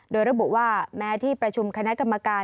โดยระบุว่าแม้ที่ประชุมคณะกรรมการ